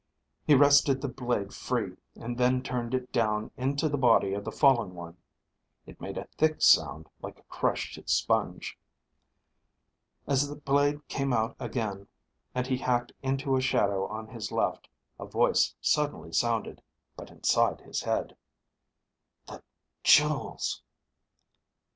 He wrested the blade free, and then turned it down into the body of the fallen one; it made a thick sound like a crushed sponge. As the blade came out again and he hacked into a shadow on his left, a voice suddenly sounded, but inside his head. _The ... jewels